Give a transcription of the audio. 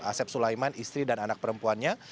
asep sulaiman istri dan anak perempuannya